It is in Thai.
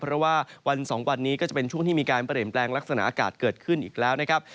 เพราะว่าวัน๒วันนี้ก็จะเป็นช่วงที่มีการเปลี่ยนแปลงลักษณะอากาศเกิดขึ้นอีกแล้วนะครับ